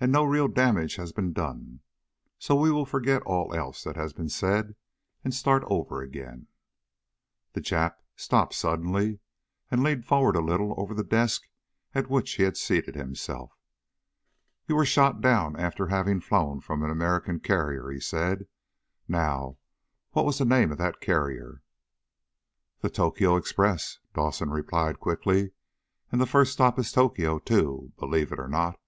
And no real damage has been done. So we will forget all else that has been said, and start over again." The Jap stopped suddenly, and leaned forward a little over the desk at which he had seated himself. "You were shot down after having flown from an American carrier," he said. "Now, what was the name of that carrier?" "The Tokyo Express," Dawson replied quickly. "And the first stop is Tokyo, too, believe it or not."